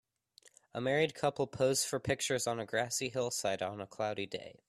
A married couple pose for pictures on a grassy hillside on a cloudy day.